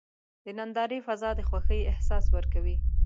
د نندارې فضا د خوښۍ احساس ورکوي.